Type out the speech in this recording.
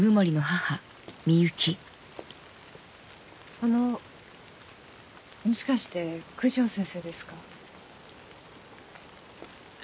あのもしかして九条先生ですか？